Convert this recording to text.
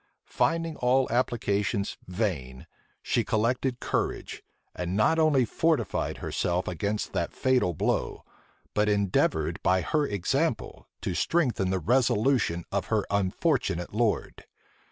Finding all applications vain, she collected courage, and not only fortified herself against the fatal blow, but endeavored by her example to strengthen the resolution of her unfortunate lord.